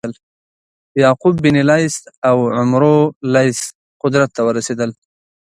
یعقوب بن لیث او عمرو لیث قدرت ته ورسېدل.